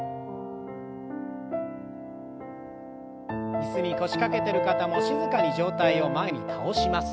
椅子に腰掛けてる方も静かに上体を前に倒します。